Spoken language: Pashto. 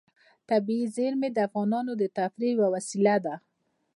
طبیعي زیرمې د افغانانو د تفریح یوه وسیله ده.